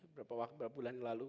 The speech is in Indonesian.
beberapa bulan lalu